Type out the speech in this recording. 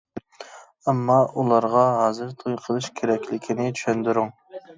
ئەمما ئۇلارغا ھازىر توي قىلىش كېرەكلىكىنى چۈشەندۈرۈڭ.